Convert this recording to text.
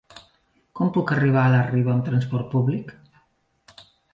Com puc arribar a la Riba amb trasport públic?